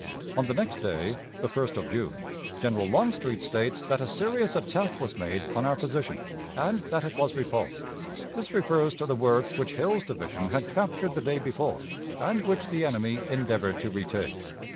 On the next day, the 1st of June, General Longstreet states that a serious attack was made on our position, and that it was repulsed. This refers to the works which Hill's division had captured the day before, and which the enemy endeavored to retake.